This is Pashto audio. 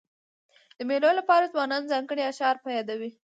د مېلو له پاره ځوانان ځانګړي اشعار په یادوي.